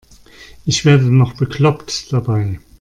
Ich werde noch bekloppt dabei.